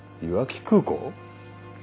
いわき空港？